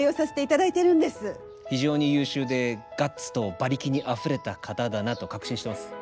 非常に優秀でガッツと馬力にあふれた方だなと確信してます。